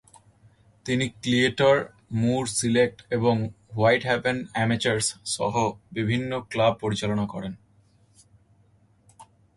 তিনি Cleator Moor Celtic এবং Whitehaven অ্যামেচারসসহ বিভিন্ন ক্লাব পরিচালনা করেন।